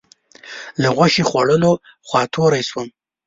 له غوښې خوړلو خوا توری شوم.